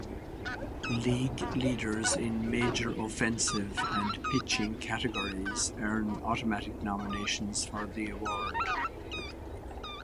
League leaders in major offensive and pitching categories earn automatic nominations for the award.